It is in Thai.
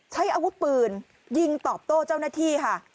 ใช้อาวุธปืนยิงตอบโต้เจ้าหน้าที่ค่ะ